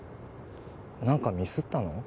何かミスったの？